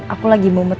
aku lagi mau ke rumah